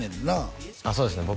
そうですね